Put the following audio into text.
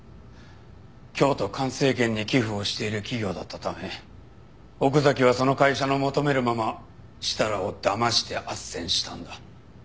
京都環生研に寄付をしている企業だったため奥崎はその会社の求めるまま設楽をだまして斡旋したんだ。